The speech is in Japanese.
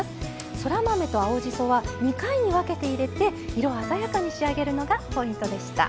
そら豆と青じそは２回に分けて入れて色鮮やかに仕上げるのがポイントでした。